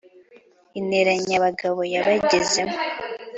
interanyabagabo yabagezemo